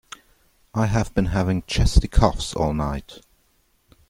I have been having chesty coughs all night.